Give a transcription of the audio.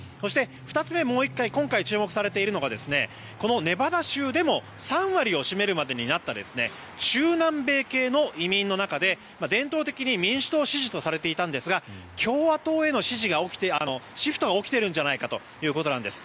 ２つ目はもう１回今回、注目されているのはネバダ州でも３割を占めるまでになった中南米系の移民の中で伝統的に民主党支持とされていたんですが共和党への支持のシフトが起きているのではということです。